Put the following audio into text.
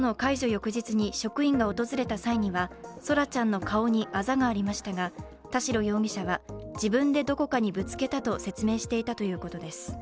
翌日に職員が訪れた際には空来ちゃんの顔にあざがありましたが、田代容疑者は自分でどこかにぶつけたと説明していたということです。